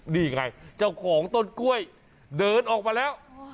นี่ไงเจ้าของต้นกล้วยเดินออกมาแล้ว